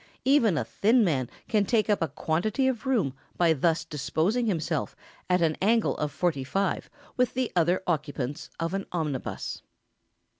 Even a thin man can take up a quantity of room by thus disposing himself at an angle of forty five with the other occupants of an omnibus.